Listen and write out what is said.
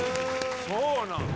そうなん？